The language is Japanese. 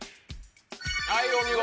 はいお見事。